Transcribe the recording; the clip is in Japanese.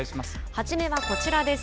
はじめはこちらです。